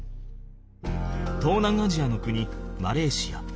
東南アジアの国マレーシア。